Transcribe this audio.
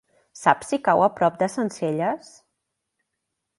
Saps si cau a prop de Sencelles?